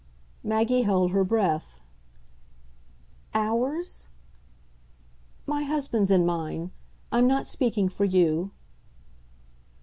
Maggie held her breath. "'Ours' ?" "My husband's and mine. I'm not speaking for you."